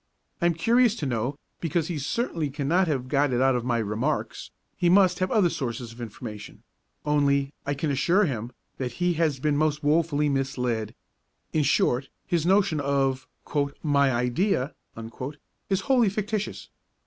I am curious to know, because he certainly cannot have got it out of my 'Remarks'; he must have other sources of information, only, I can assure him, that he has been most woefully misled: in short, his notion of 'my idea' is wholly fictitious.